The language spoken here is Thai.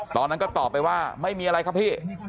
ตอนนั้นก็ตอบไปว่าไม่มีอะไรครับพี่